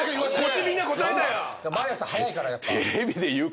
毎朝早いからやっぱ。